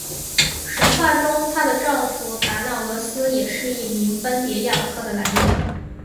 神话中她的丈夫达那俄斯一名也是斑蝶亚科的来源。